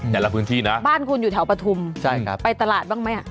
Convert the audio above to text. ในพื้นที่นะบ้านคุณอยู่แถวปฐุมใช่ครับไปตลาดบ้างไหมอ่ะ